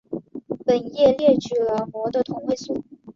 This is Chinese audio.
本页列举了镆的同位素。